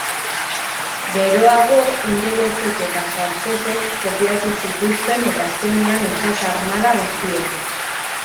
Geroago ingelesek eta frantsesek kopiatu zituzten, eta azkenean itsas-armada guztiek.